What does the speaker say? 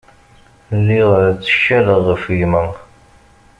Lliɣ ttkaleɣ ɣef gma.